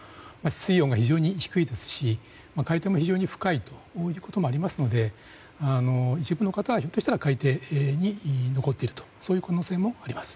水温が非常に低いですし海底も非常に深いということもありますので一部の方はひょっとしたら海底に残っているという可能性もあります。